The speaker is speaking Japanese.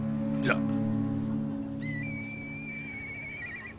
じゃあ。